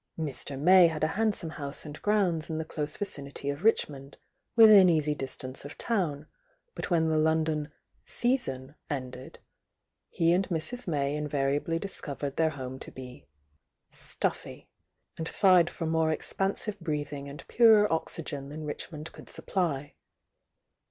Mr. May had a handsome house and grounds in the close vicinity of Richmond, with in easy distance of town, but when tlie London ■season" ended, he and Mrs. May invariably discov ered their home to be "stuffy," and sighed for more expansive breathing and purer oxygen than Rich mond could supply.